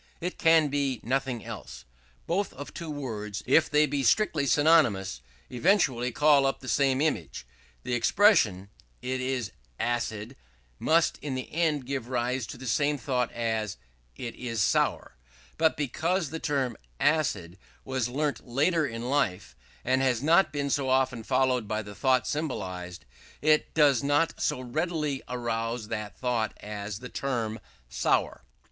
It can be in nothing else. Both of two words, if they be strictly synonymous, eventually call up the same image. The expression It is acid, must in the end give rise to the same thought as It is sour; but because the term acid was learnt later in life, and has not been so often followed by the thought symbolized, it does not so readily arouse that thought as the term sour.